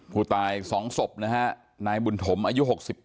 ผู้ตาย๒ศพนะฮะนายบุญถมอายุ๖๘